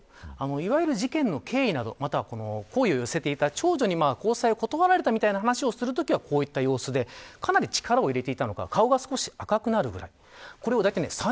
いわゆる事件の経緯や好意を寄せていた長女に交際を断られたという話をしたときはこういった様子でかなり力を入れていたのか顔が赤くなるくらい。